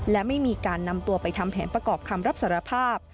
และไม่มีการนำตัวไปทำแผนประกอบคำรับสารภาพ